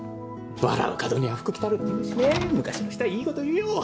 「笑う門には福来る」っていうしね昔の人はいいこというよ。